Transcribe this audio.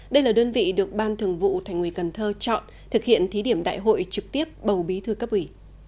đây là đơn vị được ban thường vụ thành quỳ cần thơ chọn thực hiện thí điểm đại hội trực tiếp bầu bí thư cấp ủy